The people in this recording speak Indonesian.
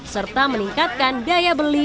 serta meningkatkan daya beli